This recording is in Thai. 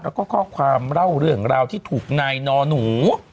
แล้วก็ข้อความเล่าเรื่องราวที่ถูกนายนอหนู